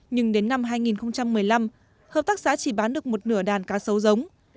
nhưng đến năm hai nghìn một mươi năm hợp tác xã chỉ bán được một nửa đàn cá sấu giống